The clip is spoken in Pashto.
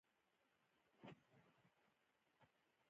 علي تل شډل بډل ګرځي. په پوزیشن پسې ډېر نه ګرځي.